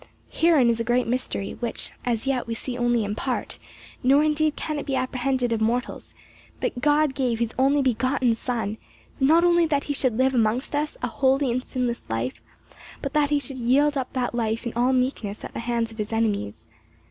Herein is a great mystery, which as yet we see only in part, nor indeed can it be apprehended of mortals, that God gave his only begotten Son, not only that he should live amongst us a holy and sinless life, but that he should yield up that life in all meekness at the hands of his enemies.